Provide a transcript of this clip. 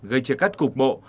gây chia cắt cục bộ